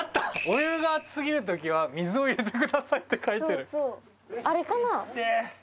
お湯が熱すぎる時は水を入れてくださいって書いてる。